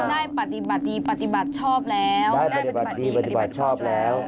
ได้ปฏิบัติดีปฏิบัติชอบแล้วได้ปฏิบัติดีปฏิบัติชอบแล้ว